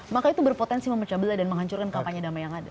maka itu berpotensi memecah belah dan menghancurkan kampanye damai yang ada